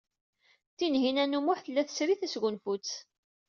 Tinhinan u Muḥ tella tesri tasgunfut.